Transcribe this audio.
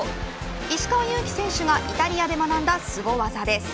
石川祐希選手がイタリアで学んだすご技です。